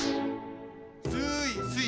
すいすい！